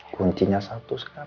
kuncinya satu sekarang